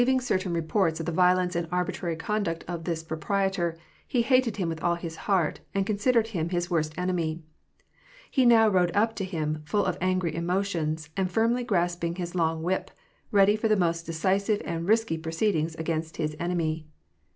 266 ing certain reports of the violence and arbitrary conduct of this proprietor, he hated him with all his heart, and considered him his worst enemy. He now rode up to him, full of angry emotions, and firmly grasping his long whip, ready for the most decisive and risky proceedings against his enemy.